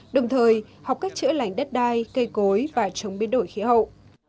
đồng thời học cách chữa lành đất đai cây cối và chống biến đổi khí hậu